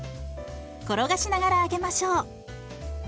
転がしながら揚げましょう。